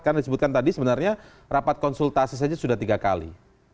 karena disebutkan tadi sebenarnya rapat konsultasi saja sudah tiga kali